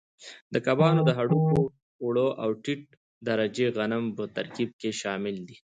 د کبانو د هډوکو اوړه او ټیټ درجې غنم په ترکیب کې شامل دي.